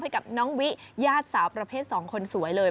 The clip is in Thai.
ให้กับน้องวิญาติสาวประเภท๒คนสวยเลย